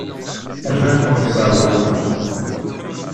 Rran-ken deg uɛewwiq.